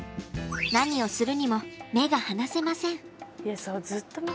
何をするにも目が離せません。